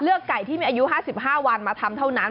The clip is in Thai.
ไก่ที่มีอายุ๕๕วันมาทำเท่านั้น